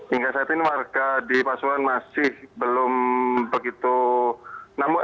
hingga saat ini warga di pasuruan masih belum begitu